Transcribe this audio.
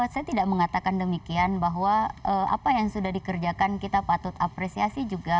saya tidak mengatakan demikian bahwa apa yang sudah dikerjakan kita patut apresiasi juga